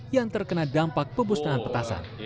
yang terkena dampak pemusnahan petasan